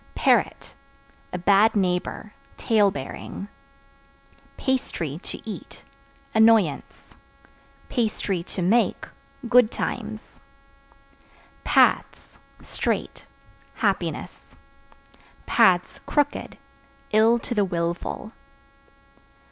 Parrot A bad neighbor, tale bearing. Pastry (To eat) annoyance; (to make) good times. Paths (Straight) happiness; (crooked) ill to the willful.